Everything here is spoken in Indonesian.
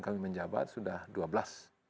kami menjabat sudah dua belas